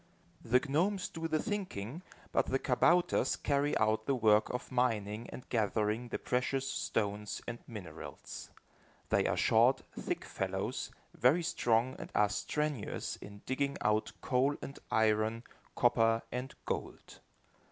The gnomes do the thinking, but the kabouters carry out the work of mining and gathering the precious stones and minerals. They are short, thick fellows, very strong and are strenuous in digging out coal and iron, copper and gold.